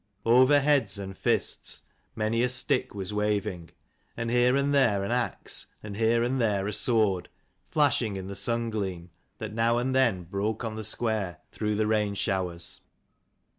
Over heads and fists many a stick was waving ; and here and there an axe, and here and there a sword, flashing in the sun gleam, that now and then broke on the square through the rain showers.